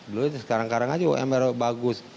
dulu sekarang karang aja wmr bagus